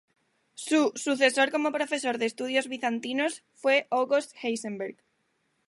Su sucesor como profesor de Estudios Bizantinos fue August Heisenberg.